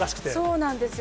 そうなんですよ。